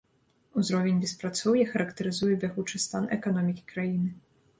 Узровень беспрацоўя характарызуе бягучы стан эканомікі краіны.